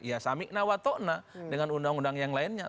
ya samikna watokna dengan undang undang yang lainnya